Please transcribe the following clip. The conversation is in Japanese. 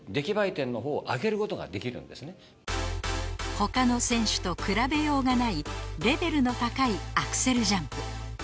他の選手と比べようがないレベルの高いアクセルジャンプ